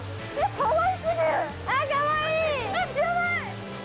かわいい！